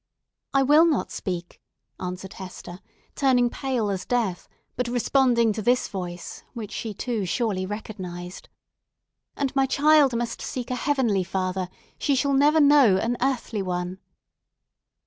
"I will not speak!" answered Hester, turning pale as death, but responding to this voice, which she too surely recognised. "And my child must seek a heavenly father; she shall never know an earthly one!"